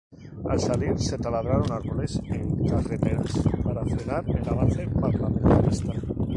Al salir, se talaron árboles en carreteras para frenar el avance parlamentarista.